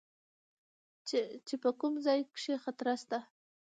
چې په کوم ځاى کښې خطره سته.